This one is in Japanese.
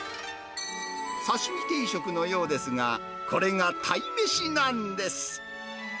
刺身定食のようですが、これが鯛めしなんです。